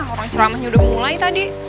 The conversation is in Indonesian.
orang ceramahnya udah mulai tadi